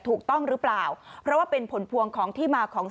ถูกต้องหรือเปล่าเพราะว่าเป็นผลพวงของที่มาของ